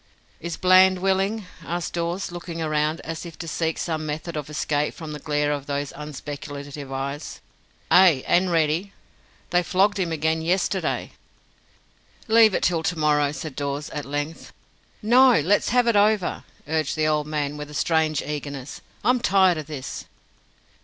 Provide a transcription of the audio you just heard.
"Is Bland willing?" asked Dawes, looking round, as if to seek some method of escape from the glare of those unspeculative eyes. "Ay, and ready. They flogged him again yesterday." "Leave it till to morrow," said Dawes, at length. "No; let's have it over," urged the old man, with a strange eagerness. "I'm tired o' this."